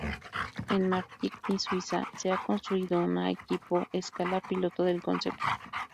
En Martigny, Suiza, se ha construido una equipo escala piloto del concepto.